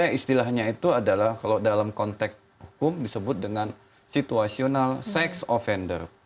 ya istilahnya itu adalah kalau dalam konteks hukum disebut dengan situasional sex offender